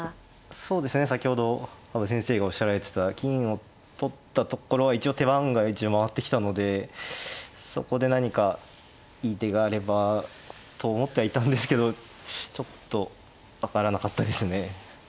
そうですね先ほど羽生先生がおっしゃられてた金を取ったところは一応手番が一度回ってきたのでそこで何かいい手があればと思ってはいたんですけどちょっと分からなかったですね。